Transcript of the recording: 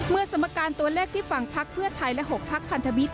เมื่อสมการตัวแรกที่ฝั่งพักเพื่อไทยและ๖พักพันธวิทย์